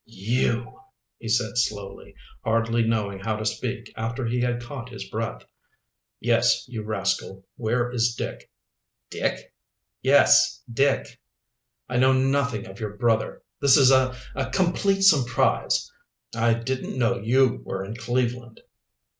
"You!" he said slowly, hardly knowing how to speak after he had caught his breath. "Yes, you rascal. Where is Dick." "Dick?" "Yes, Dick." "I know nothing of your brother. This is a a complete surprise. I didn't know you were in Cleveland."